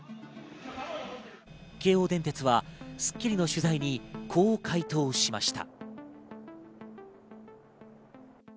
京王電鉄は『スッキリ』の取材にこう回答しました。